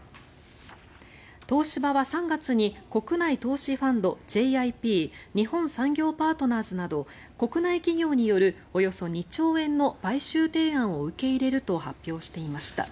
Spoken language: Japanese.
東芝は３月に国内投資ファンドＪＩＰ・日本産業パートナーズなど国内企業によるおよそ２兆円の買収提案を受け入れると発表していました。